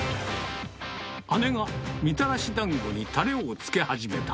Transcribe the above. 姉がみたらしだんごにたれをつけ始めた。